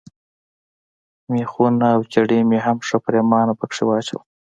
مېخونه او چرې مې هم ښه پرېمانه پکښې واچول.